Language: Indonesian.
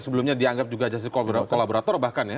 sebelumnya dianggap juga justice kolaborator bahkan ya